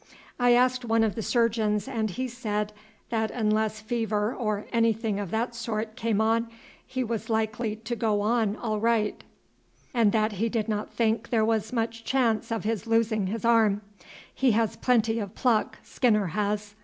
I asked one of the surgeons, and he said that unless fever or anything of that sort came on he was likely to go on all right, and that he did not think that there was much chance of his losing his arm. He has plenty of pluck, Skinner has."